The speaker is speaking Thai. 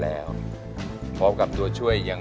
แหละคุณภาพแหละคุณภาพ